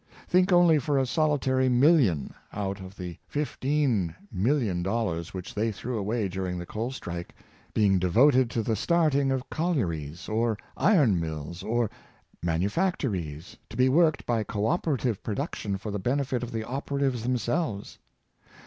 Think only of a solitary million, out of the 426 Industrial Societies. fifteen million dollars which they threw away during the coal strike, being devoted to the starting of collier ies, or iron mills, or manufactories, to be worked by co operative production for the benefit of the operatives themselves.